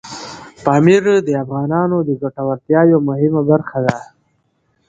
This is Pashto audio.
پامیر د افغانانو د ګټورتیا یوه مهمه برخه ده.